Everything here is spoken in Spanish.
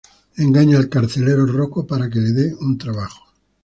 Engaña al carcelero Rocco para que le de un trabajo.